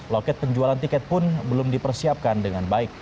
loket penjualan tiket pun belum dipersiapkan dengan baik